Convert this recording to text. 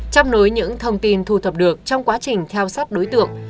trong nối những thông tin thu thập được trong quá trình theo sát đối tượng